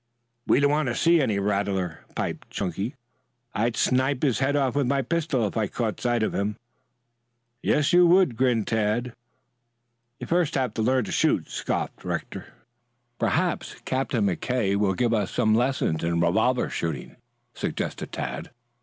"We don't want to see any rattler," piped Chunky. "I'd snip his head off with my pistol if I caught sight of him." "Yes, you would!" grinned Tad. "You'd have to learn to shoot first," scoffed Rector. "Perhaps Captain McKay will give us some lessons in revolver shooting," suggested Tad.